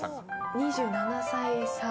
２７歳差。